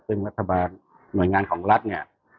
ซึ่งรัฐบาลหน่วยงานของรัฐเนี่ย